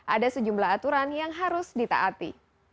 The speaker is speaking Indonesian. ada sejumlah aturan yang harus ditaati